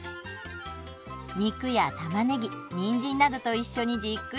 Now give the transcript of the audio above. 肉やたまねぎにんじんなどと一緒にじっくり煮込みます。